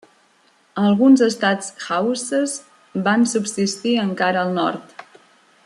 Alguns estats hausses van subsistir encara al nord.